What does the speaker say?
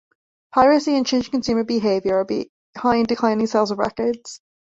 Piracy and changing consumer behavior are behind declining sales of records.